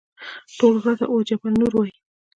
ټول غره ته اوس جبل نور وایي.